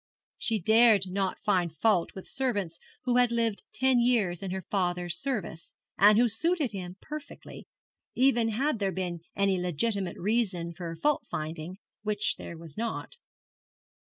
She dared not find fault with servants who had lived ten years in her father's service, and who suited him perfectly even had there been any legitimate reason for fault finding, which there was not.